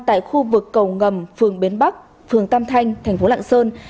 tại khu vực cầu ngầm phường bến bắc phường tam thanh tp lạng sơn